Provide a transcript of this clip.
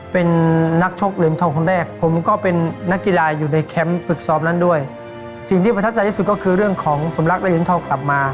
เป็นนักชกเหลืองทองคนแรก